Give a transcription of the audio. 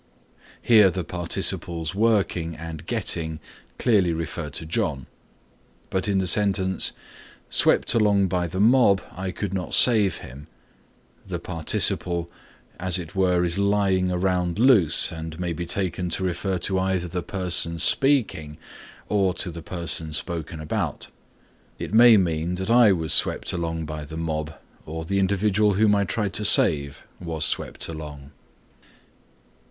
Here the participles working and getting clearly refer to John. But in the sentence, "Swept along by the mob I could not save him," the participle as it were is lying around loose and may be taken to refer to either the person speaking or to the person spoken about. It may mean that I was swept along by the mob or the individual whom I tried to save was swept along.